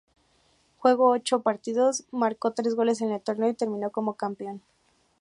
Jugó ocho partidos y marcó tres goles en el torneo y terminó como campeón.